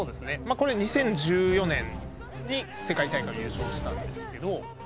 これ２０１４年に世界大会を優勝したんですけど。